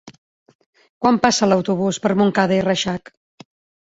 Quan passa l'autobús per Montcada i Reixac?